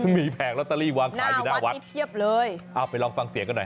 มีแผงลอตเตอรี่วางขายอยู่หน้าวัดเพียบเลยเอาไปลองฟังเสียงกันหน่อย